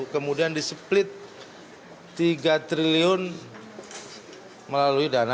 kemudian diseplit tiga triliun melalui dana